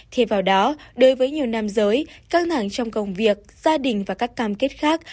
thêm vào đó đối với nhiều nam giới các nàng trong công việc gia đình và các cam kết khác